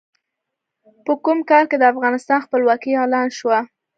په کوم کال کې د افغانستان خپلواکي اعلان شوه؟